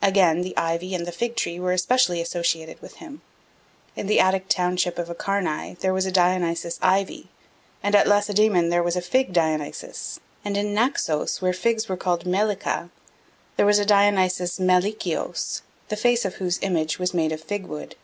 Again, the ivy and the fig tree were especially associated with him. In the Attic township of Acharnae there was a Dionysus Ivy; at Lacedaemon there was a Fig Dionysus; and in Naxos, where figs were called meilicha, there was a Dionysus Meilichios, the face of whose image was made of fig wood.